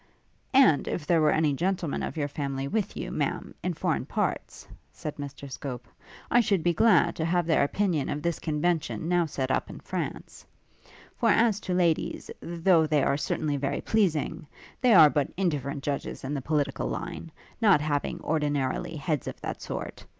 'And, if there were any gentlemen of your family, with you, Ma'am, in foreign parts,' said Mr Scope, 'I should be glad to have their opinion of this Convention, now set up in France: for as to ladies, though they are certainly very pleasing, they are but indifferent judges in the political line, not having, ordinarily, heads of that sort.